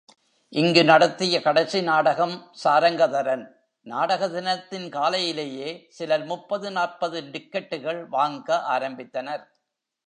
இங்கு நடத்திய கடைசி நாடகம் சாரங்கதரன். நாடக தினத்தின் காலையிலேயே சிலர் முப்பது நாற்பது டிக்கட்டுகள் வாங்க ஆரம்பித்தனர்.